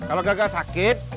kalau gak gak sakit